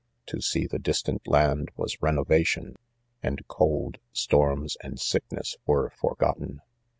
To see the distant land was ren ovation, and cold 7 storms, and sickness were forgotten.